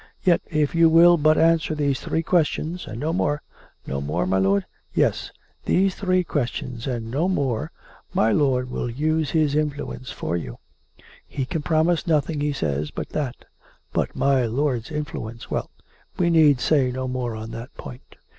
Yet, if you will but answer these three questions — and no more (No more, my lord?) — Yes; these three questions and no more, my lord will use his influence for COME RACK! COME ROPE! 455 you. He can promise nothing, he says, but that; but my lord's influence — well, we need say no more on that point.